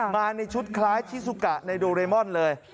มาในชุดคล้ายชิสุกะในโดเรมอนเลย